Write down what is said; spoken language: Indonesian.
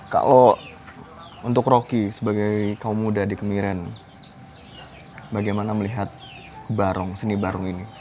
kalau untuk rocky sebagai kaum muda di kemiren bagaimana melihat barong seni barong ini